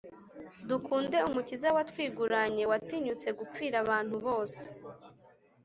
Dukunde umukiza watwiguranye watinyutse gupfira abantu bose